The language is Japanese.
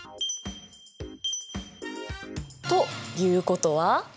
ということは？